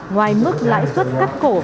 ngoài mức lãi suất khắc cổ